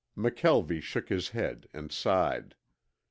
McKelvie shook his head and sighed.